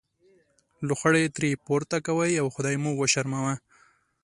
لوخړې ترې پورته کوئ او خدای مو وشرموه.